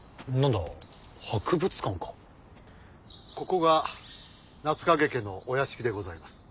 ここが夏影家のお屋敷でございます。